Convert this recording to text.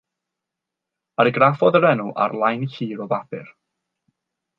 Argraffodd yr enw ar lain hir o bapur.